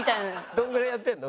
どのぐらいやってるの？